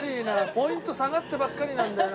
ポイント下がってばっかりなんだよな。